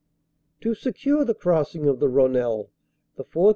"To secure the crossing of the Rhonelle, the 4th.